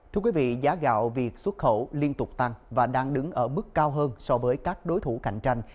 thưa quý vị giá gạo việc xuất khẩu liên tục tăng và đang đứng ở mức cao hơn so với các đối thủ cạnh tranh